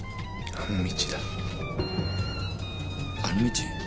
あの道？